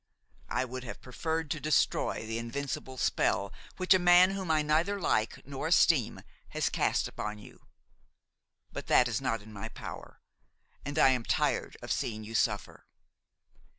I would have preferred to destroy the invincible spell which a man whom I neither like nor esteem has cast upon you; but that is not in my power, and I am tired of seeing you suffer.